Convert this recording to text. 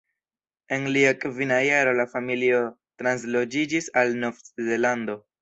En lia kvina jaro la familio transloĝiĝis al Nov-Zelando.